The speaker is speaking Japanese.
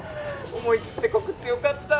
思い切って告ってよかったー！